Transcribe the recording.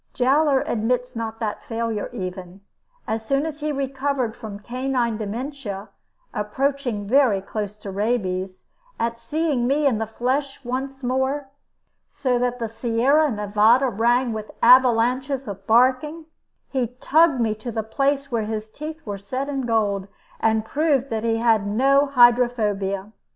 Jowler admits not that failure even. As soon as he recovered from canine dementia, approaching very closely to rabies, at seeing me in the flesh once more (so that the Sierra Nevada rang with avalanches of barking), he tugged me to the place where his teeth were set in gold, and proved that he had no hydrophobia.